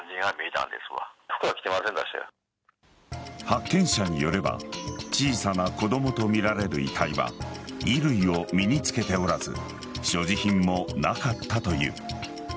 発見者によれば小さな子供とみられる遺体は衣類を身に着けておらず所持品もなかったという。